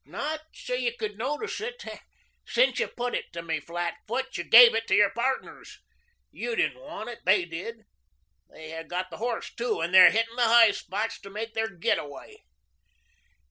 "Not so you could notice it. Since you put it to me flat foot, you gave it to your pardners. You didn't want it. They did. They have got the horse too and they're hitting the high spots to make their get away."